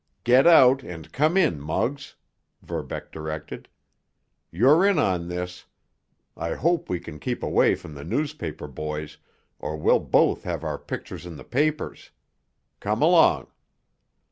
"Get out, and come in, Muggs," Verbeck directed. "You're in on this. I hope we can keep away from the newspaper boys, or we'll both have our pictures in the papers. Come along."